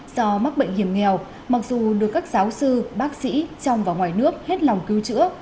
do mắc bệnh hiểm nghèo mặc dù được các giáo sư bác sĩ trong và ngoài nước hết lòng cứu chữa